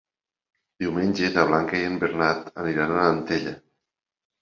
Diumenge na Blanca i en Bernat aniran a Antella.